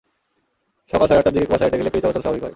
সকাল সাড়ে আটটার দিকে কুয়াশা কেটে গেলে ফেরি চলাচল স্বাভাবিক হয়।